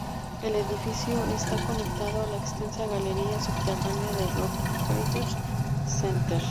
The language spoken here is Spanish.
El edificio está conectado a la extensa galería subterránea del Rockefeller Center.